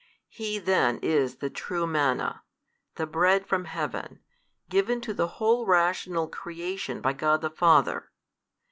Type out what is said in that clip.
He then is the True Manna, the Bread from heaven, given to the whole rational creation by God the Father.